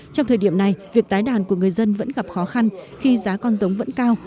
trong thời điểm này việc tái đàn của người dân vẫn gặp khó khăn khi giá con giống vẫn cao